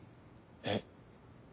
えっ？